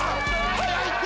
速いって！